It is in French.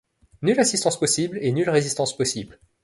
Nulle assistance possible et nulle résistance possible.